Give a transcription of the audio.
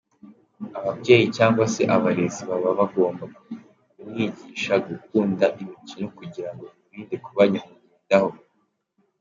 Ababyeyi cyangwa se abarezi baba bagomba kumwigisha gukunda imikino kugira ngo bimurinde kuba nyamwigendaho.